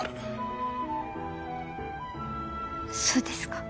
そうですか。